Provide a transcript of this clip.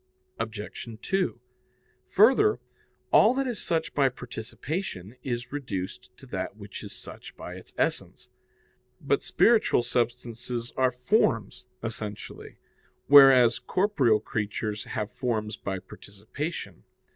Obj. 2: Further, all that is such by participation is reduced to that which is such by its essence. But spiritual substances are forms essentially, whereas corporeal creatures have forms by participation.